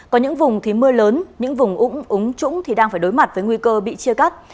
có những vùng thì mưa lớn những vùng úm úng trũng thì đang phải đối mặt với nguy cơ bị chia cắt